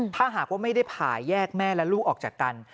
ถ้าหากว่าไม่ได้ผ่าแยกแม่และลูกออกจากกัน